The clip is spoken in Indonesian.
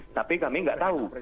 tapi kami nggak tahu